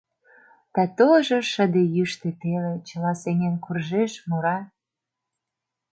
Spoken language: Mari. Да толжо шыде йӱштӧ теле Чыла сеҥен куржеш, мура.